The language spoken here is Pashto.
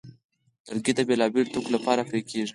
لرګی د بېلابېلو توکو لپاره پرې کېږي.